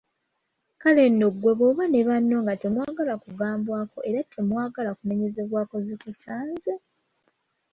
Kale nno ggwe bw'oba ne banno nga temwagala kugambwako era nga temwagala kunenyezebwa zikusanze!